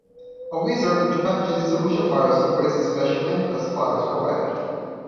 A wizard which packages distribution files and creates the special "manifest" file is provided.